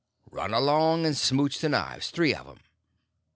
Run along and smouch the knives—three of them."